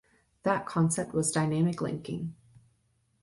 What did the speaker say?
That concept was "dynamic linking".